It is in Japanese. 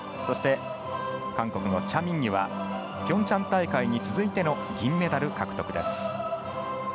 そして、韓国のチャ・ミンギュはピョンチャン大会に続いての銀メダル獲得です。